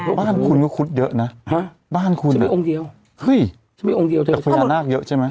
บ้านคุณก็คุดเยอะนะบ้านคุณมีองค์เดียวเฮ้ยฉันมีองค์เดียวเถอะพญานาคเยอะใช่ไหม